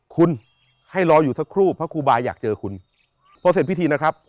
คุณให้รออยู่สักครู่พระครูบาอยากเจอคุณพอเสร็จพิธีนะครับ